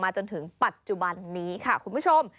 จนถึงปัจจุบันนี้ค่ะคุณผู้ชม